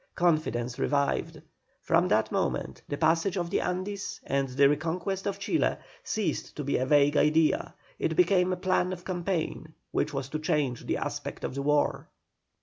Confidence revived. From that moment the passage of the Andes and the reconquest of Chile ceased to be a vague idea, it became a plan of campaign which was to change the aspect of the war.